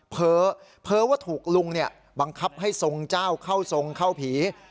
เผลอว่าถูกลุงบังคับให้ทรงเจ้าเข้าทรงเข้าผี